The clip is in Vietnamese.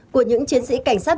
của những chiến sĩ cảnh sát